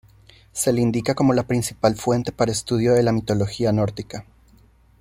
Se le indica como la principal fuente para estudio de la mitología nórdica.